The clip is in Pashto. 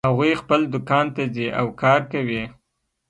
هغوی خپل دوکان ته ځي او کار کوي